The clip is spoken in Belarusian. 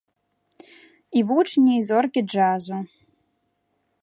І вучні, і зоркі джазу.